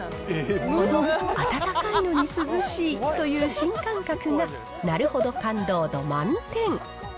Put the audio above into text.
温かいのに涼しいという新感覚が、なるほど感動度満点。